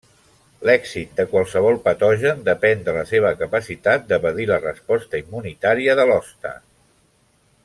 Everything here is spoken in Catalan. L'èxit de qualsevol patogen depèn de la seva capacitat d'evadir la resposta immunitària de l'hoste.